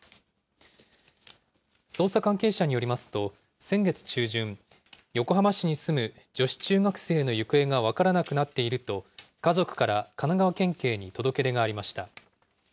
捜査関係者によりますと、先月中旬、横浜市に住む女子中学生の行方が分からなくなっていると、家族から神奈川県警に届け出がありました。